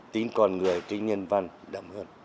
tính con người tính nhân văn đậm hơn